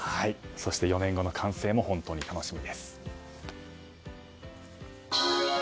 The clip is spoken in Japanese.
そして４年後の完成も本当に楽しみです。